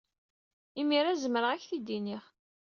Imir-a, zemreɣ ad ak-t-id-iniɣ.